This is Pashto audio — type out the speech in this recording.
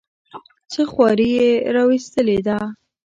څه خواري یې راوستلې ده.